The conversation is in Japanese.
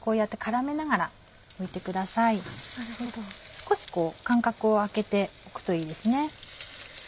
少し間隔を空けて置くといいですね。